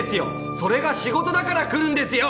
それが仕事だから来るんですよ！